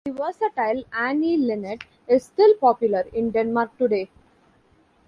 The versatile Anne Linnet is still popular in Denmark today.